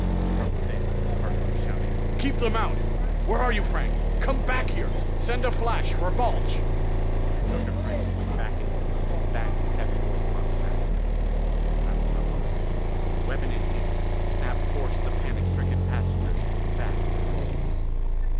From within, Carter was shouting, "Keep them out! Where are you, Frank? Come back here! Send a flash for Balch!" Dr. Frank went back into the room and banged the cabin door upon Snap and me. I was unarmed. Weapon in hand, Snap forced the panic stricken passengers back to their rooms.